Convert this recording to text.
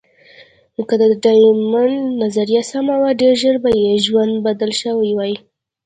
که د ډایمونډ نظریه سمه وه، ډېر ژر به یې ژوند بدل شوی وای.